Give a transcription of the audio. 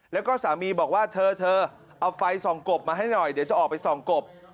แล้วก็สามีบอกว่าเธอเอาไฟส่องกบมาให้หน่อยเดี๋ยวจะออกไปส่องกบ